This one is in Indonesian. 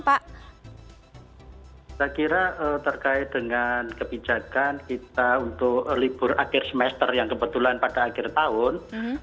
saya kira terkait dengan kebijakan kita untuk libur akhir semester yang kebetulan pada akhir tahun